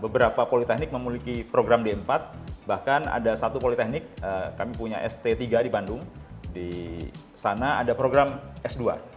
beberapa politeknik memiliki program d empat bahkan ada satu politeknik kami punya st tiga di bandung di sana ada program s dua